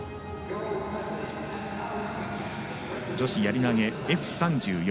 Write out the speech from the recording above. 女子やり投げＦ３４